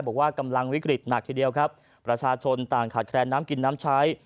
บอกว่ากำลังวิกฤตหนักทีเดียวครับประชาชนต่างขาดแคลนน้ำกินน้ำใช้